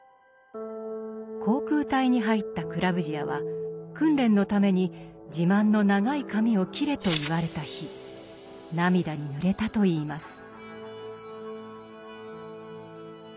航空隊に入ったクラヴヂヤは訓練のために自慢の長い髪を切れと言われた日涙にぬれたといいます。